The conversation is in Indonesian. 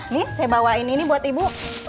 nih saya bawain ini buat ibu